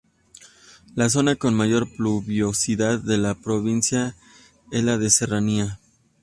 La zona con mayor pluviosidad de la provincia es la de serranía.